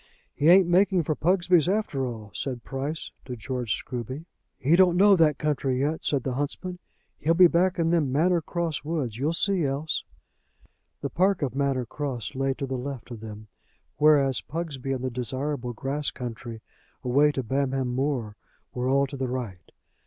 "He ain't making for Pugsby's after all," said Price to George Scruby. "He don't know that country yet," said the huntsman. "He'll be back in them Manor Cross woods. You'll see else." The park of Manor Cross lay to the left of them, whereas Pugsby and the desirable grass country away to Bamham Moor were all to the right.